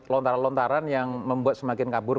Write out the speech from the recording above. lontaran lontaran yang membuat semakin kabur